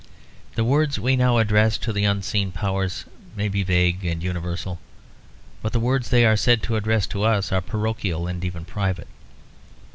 The words we now address to the unseen powers may be vague and universal, but the words they are said to address to us are parochial and even private.